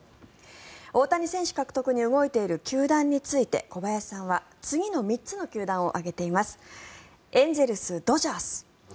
大谷選手獲得に動いている球団について小林さんは次の３つの球団を挙げています。